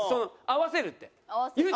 合わせるって。